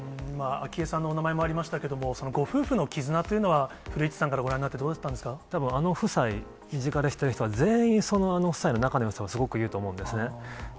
昭恵さんのお名前もありましたけれども、ご夫婦の絆というのは、古市さんからご覧になって、たぶん、あの夫妻、身近で知っている人は、全員その夫妻の仲のよさをすごく言うと思うんですね。